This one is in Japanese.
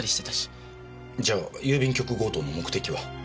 じゃあ郵便局強盗の目的は？